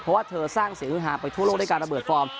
เพราะว่าเธอสร้างเสียงฮือหาไปทั่วโลกด้วยการระเบิดฟอร์ม